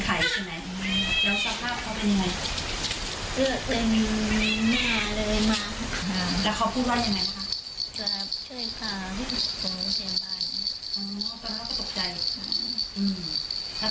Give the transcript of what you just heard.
เขาก็บอกว่าเยอะมาสองคนดูเว้อที่ใส่ยาง